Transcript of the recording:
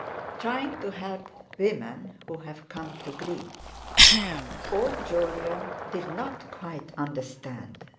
"Trying to help women who've come to grief." Old Jolyon did not quite understand.